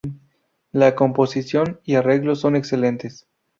La composición y arreglos son excelentes.